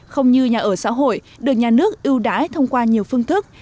không như nhà ở xã hội được nhà nước ưu đãi thông qua nhiều phương thức